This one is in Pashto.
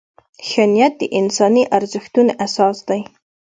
ښه نیت د انساني ارزښتونو اساس دی.